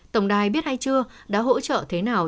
tổng đài biết hay chưa đã hỗ trợ thế nào